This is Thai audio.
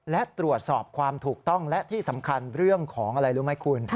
และตรวจสอบความถูกต้องและที่สำคัญเรื่องของอะไรรู้ไหมคุณ